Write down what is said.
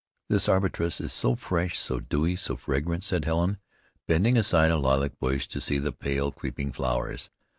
"This arbutus is so fresh, so dewy, so fragrant," said Helen, bending aside a lilac bush to see the pale, creeping flowers.